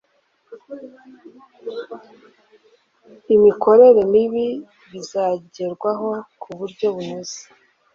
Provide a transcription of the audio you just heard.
imikorere mibi bizagerwaho ku buryo bunoze